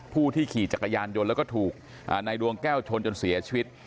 ผู้ที่ขี่จักรยานยนต์แล้วก็ถูกนายดวงแก้วชนจนเสียชีวิต